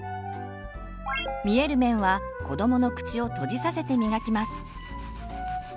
見える面は子どもの口を閉じさせてみがきます。